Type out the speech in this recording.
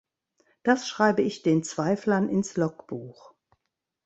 Das schreibe ich den Zweiflern ins Logbuch.